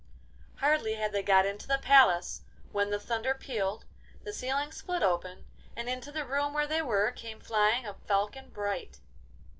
Hardly had they got into the palace, when the thunder pealed, the ceiling split open, and into the room where they were came flying a falcon bright.